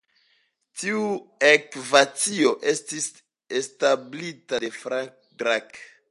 Tiu ekvacio estis establita de Frank Drake.